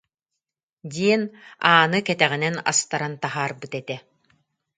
диэн, ааны кэтэҕинэн астаран таһаарбыт этэ